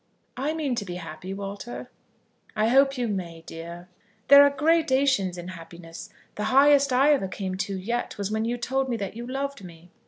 "I mean to be happy, Walter." "I hope you may, dear." "There are gradations in happiness. The highest I ever came to yet was when you told me that you loved me."